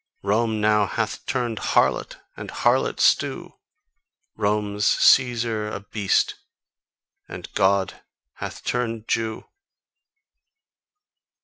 Rome now hath turned harlot and harlot stew, Rome's Caesar a beast, and God hath turned Jew!"